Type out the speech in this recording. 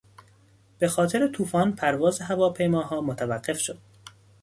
به خاطر توفان پرواز هواپیماها متوقف شد.